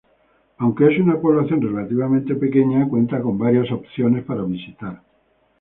Aunque es una población relativamente pequeña, cuenta con varias opciones para visitar.